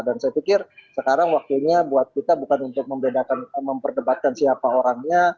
dan saya pikir sekarang waktunya buat kita bukan untuk membedakan memperdebatkan siapa orangnya